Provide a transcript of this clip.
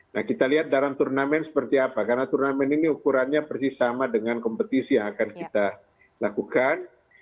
nah kita lihat dalam turnamen seperti apa karena turnamen ini ukurannya persis sama dengan kompetisi yang akan kita lakukan